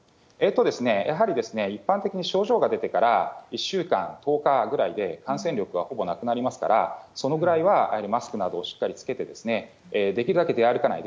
やはり一般的に症状が出てから１週間、１０日ぐらいで感染力はほぼなくなりますから、そのぐらいはマスクなどをしっかり着けて、できるだけ出歩かない。